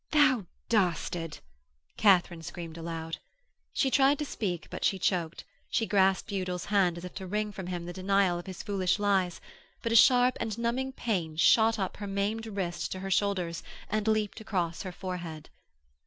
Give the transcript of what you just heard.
'Thou dastard!' Katharine screamed aloud. She tried to speak but she choked; she grasped Udal's hand as if to wring from him the denial of his foolish lies, but a sharp and numbing pain shot up her maimed wrist to her shoulders and leaped across her forehead.